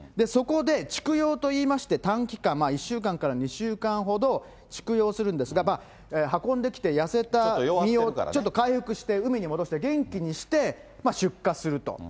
そこで蓄養といいまして、短期間、１週間から２週間ほど畜養するんですが、運んできて、痩せた身をちょっと回復して、海に戻して元気にして、出荷すると。